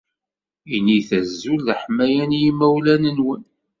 Init azul d aḥmayan i yimawlan-nwen.